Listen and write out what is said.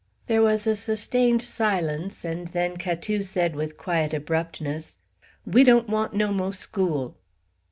There was a sustained silence, and then Catou said with quiet abruptness: "We dawn't want no mo' school!"